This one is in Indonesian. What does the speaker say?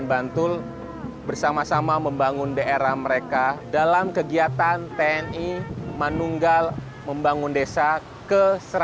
kodim tujuh puluh dua sembilan bantul bersama sama membangun daerah mereka dalam kegiatan tni manunggal membangun desa ke satu ratus sembilan belas